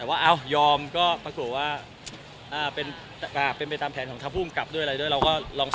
เอ้ยแฟนใครแฟนมัน